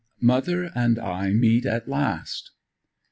MOTHER AND I MEET AT LAST.